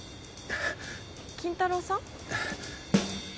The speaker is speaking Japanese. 筋太郎さん？